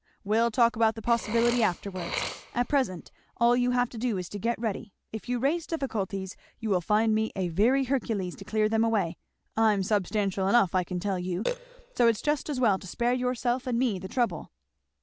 "We'll talk about the possibility afterwards at present all you have to do is to get ready. If you raise difficulties you will find me a very Hercules to clear them away I'm substantial enough I can tell you so it's just as well to spare yourself and me the trouble."